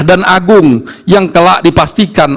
dan agung yang kelak dipastikan